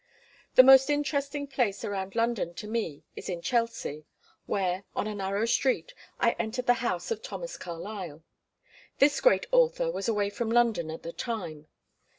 The most interesting place around London to me is in Chelsea, where, on a narrow street, I entered the house of Thomas Carlyle. This great author was away from London at the time.